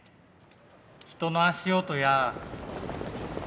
人の足音や。